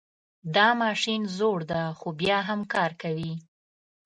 دا ماشین زوړ ده خو بیا هم کار کوي